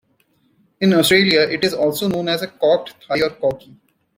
In Australia it is also known as a corked thigh or corky.